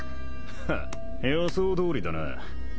フン予想どおりだな。